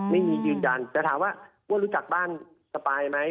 ไม่มีจริงจันทร์แต่ถามว่าเขารู้จักบ้านสปายไหม